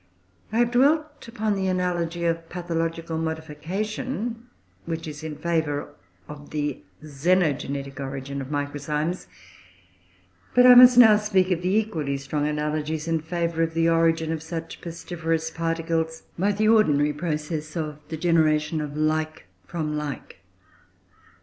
I have dwelt upon the analogy of pathological modification, which is in favour of the xenogenetic origin of microzymes; but I must now speak of the equally strong analogies in favour of the origin of such pestiferous particles by the ordinary process of the generation of like from like.